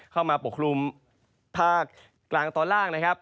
เข้ามาปกครุมภาคกลางตอนล่างนะครับ